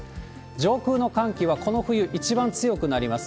上空の寒気は、この冬一番強くなります。